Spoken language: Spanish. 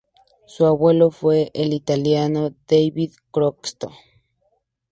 Su abuelo fue el italiano Davide Croxatto.